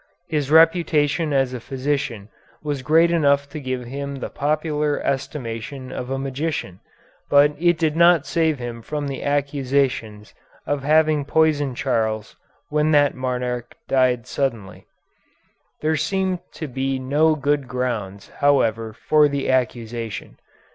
His reputation as a physician was great enough to give him the popular estimation of a magician, but it did not save him from the accusation of having poisoned Charles when that monarch died suddenly. There seem to be no good grounds, however, for the accusation.